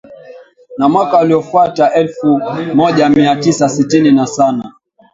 Na mwaka uliofuata elfu moja mia tisa sitini na sana